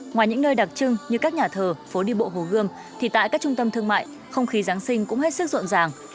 ngoài những nơi đặc trưng như các nhà thờ phố đi bộ hồ gươm thì tại các trung tâm thương mại không khí giáng sinh cũng hết sức rộn ràng